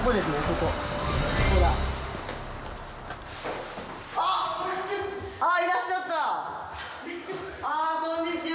こんにちは。